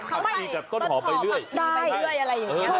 เขาใส่ต้นห่อผักชีไปเรื่อยอะไรอย่างนี้หรอ